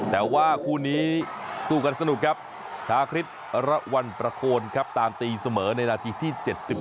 แต่ว่าคู่นี้สู้กันสนุกครับชาคริสระวันประโคนครับตามตีเสมอในนาทีที่๗๑